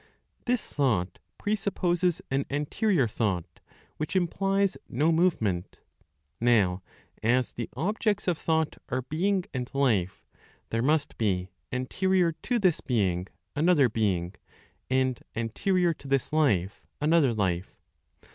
This thought presupposes an anterior thought which implies no movement. Now, as the objects of thought are being and life, there must be, anterior to this being, another being; and anterior to this life, another life.